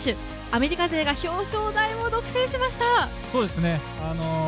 アメリカ勢が表彰台を独占しました。